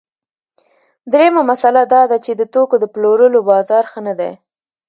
درېیمه مسئله دا ده چې د توکو د پلورلو بازار ښه نه دی